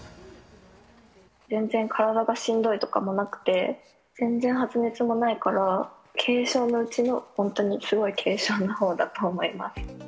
全然体がしんどいとかもなくて、全然発熱もないから、軽症のうちの本当にすごい軽症のほうだと思います。